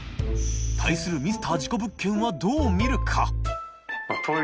ミスター事故物件はどう見るか？